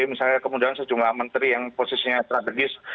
misalnya kemudian sejumlah menteri yang posisinya strategis